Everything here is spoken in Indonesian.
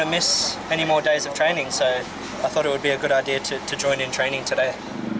jadi saya pikir ini adalah ide yang baik untuk berlatih hari ini